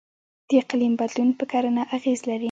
د اقلیم بدلون په کرنه اغیز لري.